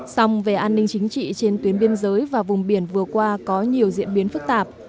song về an ninh chính trị trên tuyến biên giới và vùng biển vừa qua có nhiều diễn biến phức tạp